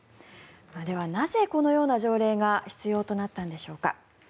では、なぜこのような条例が必要となったんでしょうか。